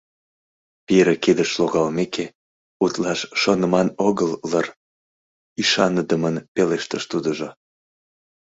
— Пире кидыш логалмеке, утлаш шоныман огыл лыр, — ӱшаныдымын пелештыш тудыжо.